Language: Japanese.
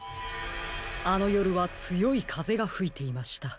あのよるはつよいかぜがふいていました。